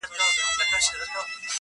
او کيسه نه ختمېده-